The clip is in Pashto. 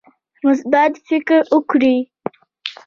مثبت فکر وکړئ